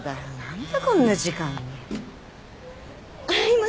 何でこんな時間に？